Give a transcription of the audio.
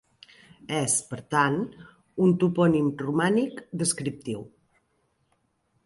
És, per tant, un topònim romànic descriptiu.